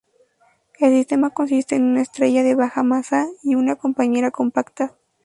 El sistema consiste en una estrella de baja masa y una compañera compacta.